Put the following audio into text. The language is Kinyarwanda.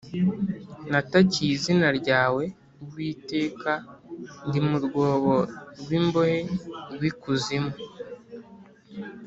Natakiye izina ryawe, Uwiteka, Ndi mu rwobo rw’imbohe rw’ikuzimu.